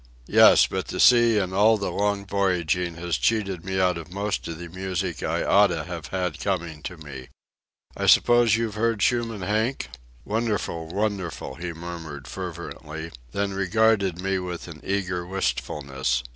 "Yes, but the sea and all the long voyaging has cheated me out of most of the music I oughta have had coming to me." "I suppose you've heard Schumann Heink?" "Wonderful, wonderful!" he murmured fervently, then regarded me with an eager wistfulness.